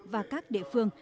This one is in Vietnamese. và các địa phương